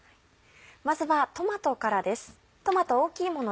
まずはトマトからです。